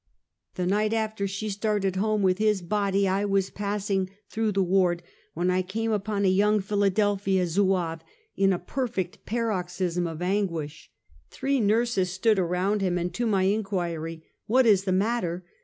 268 Half a Oentuet. The niglit after she started home with his body, I was pasing through the ward, when I came upon a young Philadelphia Zouave in a perfect paroxysm of anguish. Three nurses stood around him, and to my inquiry " What is the matter?"